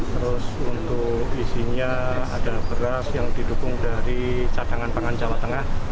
terus untuk isinya ada beras yang didukung dari cadangan pangan jawa tengah